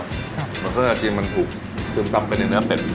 เหมือนเครื่องยาจีนมันถูกซึมต่ำไปในเนื้อเป็ด